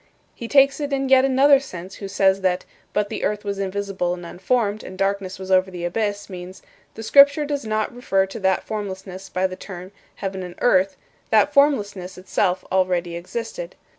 He takes it in yet another sense who says that "But the earth was invisible and unformed, and darkness was over the abyss" means, "The Scripture does not refer to that formlessness by the term 'heaven and earth'; that formlessness itself already existed.